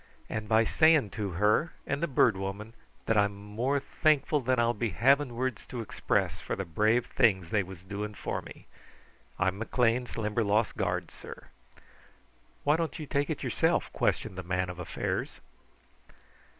And by saying to her and the Bird Woman that I'm more thankful than I'll be having words to express for the brave things they was doing for me. I'm McLean's Limberlost guard, sir." "Why don't you take it yourself?" questioned the Man of Affairs.